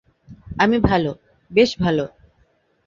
আমি ভালো, বেশ ভালো।